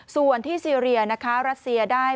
ส่วนที่ซีเตียแรสเซียได้